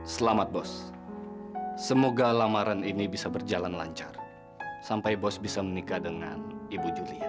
selamat bos semoga lamaran ini bisa berjalan lancar sampai bos bisa menikah dengan ibu julia